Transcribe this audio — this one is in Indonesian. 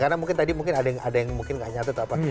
karena mungkin tadi ada yang mungkin nggak nyata atau apa